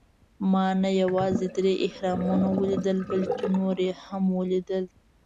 ما نه یوازې درې اهرامونه ولیدل، بلکې نور یې هم ولېدل.